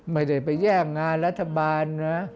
ไม่ได้ไปแย่งงานรัฐบาลนะ